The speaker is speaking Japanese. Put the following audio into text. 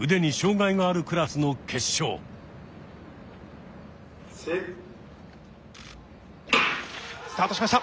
スタートしました。